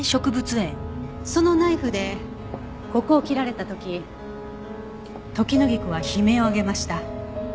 そのナイフでここを切られた時トキノギクは悲鳴を上げました。